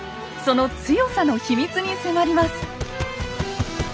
その強さの秘密に迫ります。